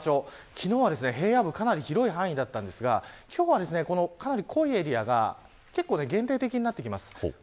昨日は平野部かなり広い範囲だったんですが今日はかなり濃いエリアが結構、限定的になってきます。